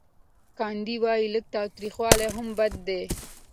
ګاندي وايي لږ تاوتریخوالی هم بد دی.